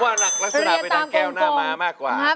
ผมว่าลักลัดสุดากหรือดังสนใจแก้วหน้าม้ามากกว่า